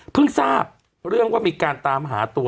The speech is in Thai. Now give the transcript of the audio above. ทราบเรื่องว่ามีการตามหาตัว